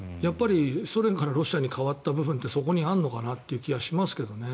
ソ連からロシアに変わった部分ってそこにあるのかなという気がしますけどね。